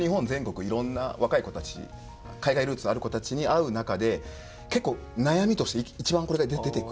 いろんな若い子たち海外ルーツある子たちに会う中で結構悩みとして一番これが出てくる。